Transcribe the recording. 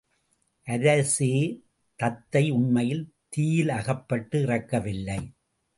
அரசே தத்தை உண்மையில் தீயிலகப்பட்டு இறக்கவில்லை.